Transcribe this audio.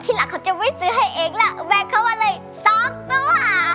ทีหลังเขาจะไม่ซื้อให้เองแล้วแบ่งเขามาเลยสองตัว